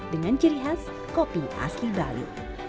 dengan ciri khas kopi asli bali